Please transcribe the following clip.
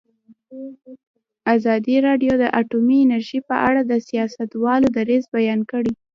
ازادي راډیو د اټومي انرژي په اړه د سیاستوالو دریځ بیان کړی.